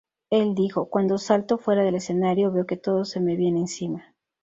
El dijo: "cuando salto fuera del escenario, veo que todo se me viene encima".